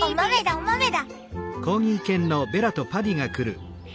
お豆だ！